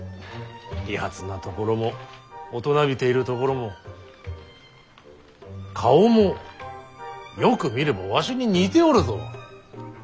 利発なところも大人びているところも顔もよく見ればわしに似ておるぞ。